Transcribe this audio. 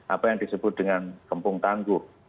apa yang disebut dengan kempung tangguh